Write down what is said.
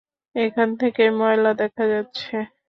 এখান থেকেই ময়লা দেখা যাচ্ছে।